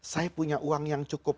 saya punya uang yang cukup